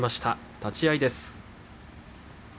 立ち合いです。